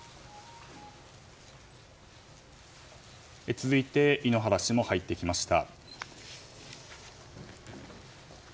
続いて井ノ原氏も入ってきました。